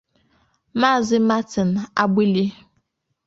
Maazị Martin Agbili